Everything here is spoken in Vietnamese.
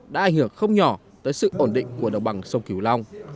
đã ảnh hưởng không nhỏ tới sự ổn định của đồng bằng sông kiều long